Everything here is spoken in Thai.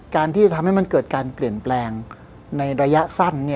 การที่จะทำให้มันเกิดการเปลี่ยนแปลงในระยะสั้น